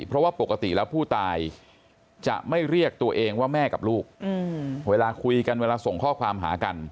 เพราะว่าปกติแล้วผู้ตายจะไม่เรียกตัวเองว่าแม่กับลูกเวลาคุยกันเวลาส่งข้อความหากัน